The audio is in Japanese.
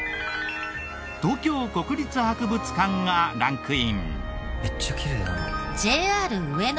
東京国立博物館がランクイン。